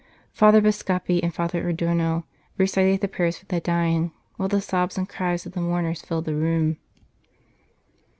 Father Bascape and Father Adorno recited the prayers for the dying, while the sobs and cries of the mourners filled the room.